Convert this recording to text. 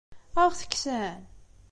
Ad aɣ-t-kksen?